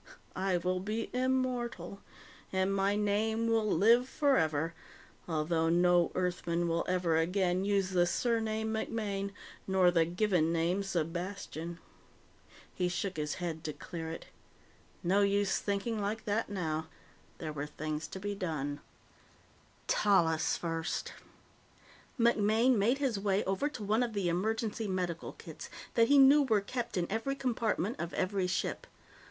I will be immortal. And my name will live forever, although no Earthman will ever again use the surname MacMaine or the given name Sebastian_. He shook his head to clear it. No use thinking like that now. There were things to be done. Tallis first. MacMaine made his way over to one of the emergency medical kits that he knew were kept in every compartment of every ship.